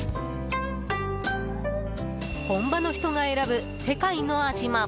本場の人が選ぶ世界の味も。